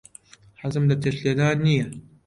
حەزم لە چێشت لێنان نییە.